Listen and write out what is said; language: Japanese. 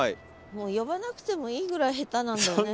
呼ばなくてもいいぐらい下手なんだよね